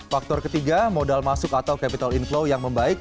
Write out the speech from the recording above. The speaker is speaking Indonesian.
faktor ketiga modal masuk atau capital inflow yang membaik